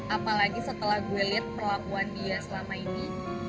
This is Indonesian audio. apalagi setelah gue lihat perlakuan dia selama ini